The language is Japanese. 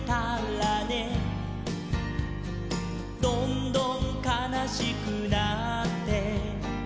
「どんどんかなしくなって」